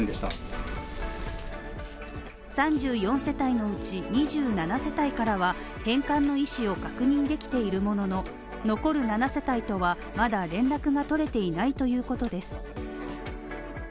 ３４世帯のうち２７世帯からは返還の意思を確認できているものの残る７世帯とは、まだ連絡がとれていないということです。